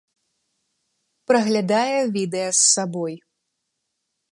Праглядае відэа з сабой.